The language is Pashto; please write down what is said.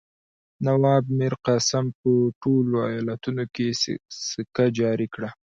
نواب میرقاسم په ټولو ایالتونو کې سکه جاري کړه.